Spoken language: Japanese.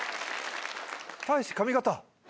たいし髪形！